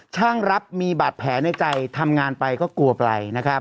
ช่างรับมีบาดแผลในใจทำงานไปก็กลัวไปนะครับ